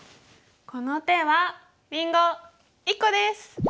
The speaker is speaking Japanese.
この手はりんご１個です！